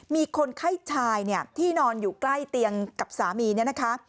มีคนไข้ชายเนี่ยที่นอนอยู่ใกล้เตียงกับสามีเนี่ยนะคะ